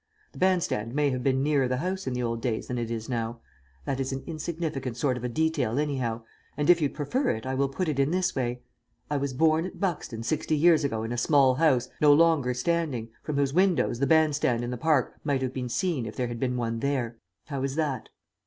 The band stand may have been nearer the house in the old days than it is now, that is an insignificant sort of a detail anyhow, and if you'd prefer it I will put it in this way: I was born at Buxton sixty years ago in a small house, no longer standing, from whose windows the band stand in the park might have been seen if there had been one there. How is that?"